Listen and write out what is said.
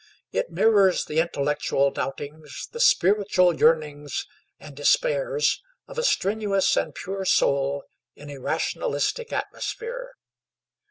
It mirrors the intellectual doubtings, the spiritual yearnings and despairs of a strenuous and pure soul in a rationalistic atmosphere.